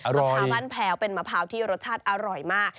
มะพร้าวบ้านแพ้วเป็นมะพร้าวที่รสชาติอร่อยมาก